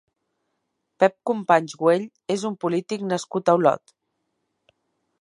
Pep Companys Güell és un polític nascut a Olot.